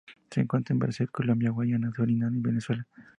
Se encuentra en Brasil, Colombia, Guayana, Surinam y Venezuela.